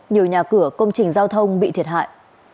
nhiều nhà cửa công trình giao thông bị thiệt hại